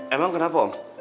emang kenapa om